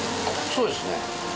そうですね。